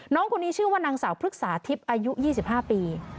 น้องคนนี้ชื่อว่านางสาวพฤกษาทิพย์อายุ๒๕ปี